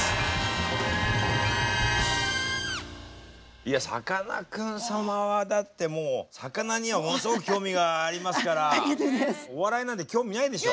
いやさかなクン様はだってもう魚にはものすごく興味がありますからお笑いなんて興味ないでしょ？